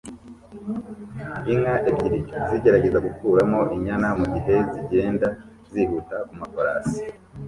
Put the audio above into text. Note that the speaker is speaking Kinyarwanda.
Inka ebyiri ziragerageza gukuramo inyana mugihe zigenda zihuta kumafarasi